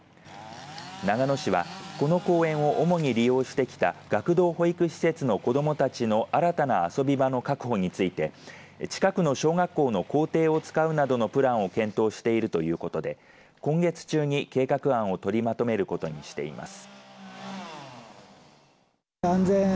長野市はこの公園を主に利用してきた学童保育施設の子どもたちの新たな遊び場の確保について近くの小学校の校庭を使うなどのプランを検討しているということで今月中に計画案を取りまとめることにしています。